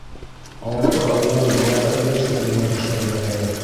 Алты айҙан балаға эремсек бирә башларға ярай.